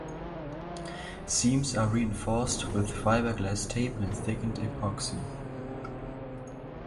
Seams are reinforced with fiberglass tape and thickened epoxy.